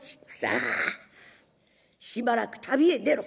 「ああしばらく旅へ出ろ。